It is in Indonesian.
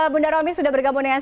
bunda romi sudah bergabung dengan